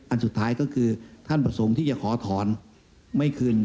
อันสุดท้ายก็คือท่านประสงค์ที่จะขอถอนไม่คืน